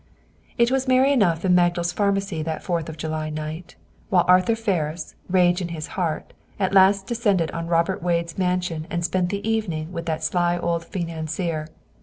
It was merry enough in Magdal's Pharmacy that Fourth of July night, while Arthur Ferris, rage in his heart, at last descended at Robert Wade's mansion and spent the evening with that sly old financier.